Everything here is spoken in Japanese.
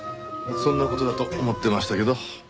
そんな事だと思ってましたけど。